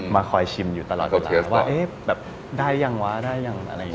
มาคอยชิมอยู่ตลอดเวลาว่าเอ๊ะแบบได้ยังว่าได้ยังอะไรยัง